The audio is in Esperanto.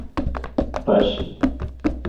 paŝi